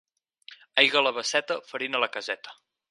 Aigua a la basseta, farina a la caseta.